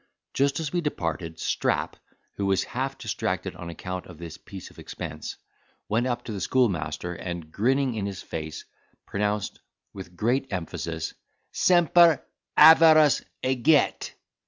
Just as we departed, Strap, who was half distracted on account of this piece of expense, went up to the schoolmaster, and, grinning in his face, pronounced with great emphasis—"Semper avarus eget."